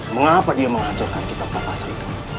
mengapa dia menghancurkan kitab batas itu